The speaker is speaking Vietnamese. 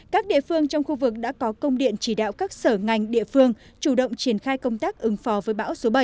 các địa phương trong khu vực đã có công điện chỉ đạo các sở ngành địa phương chủ động triển khai công tác ứng phò với bão số bảy và mưa lũ sau bão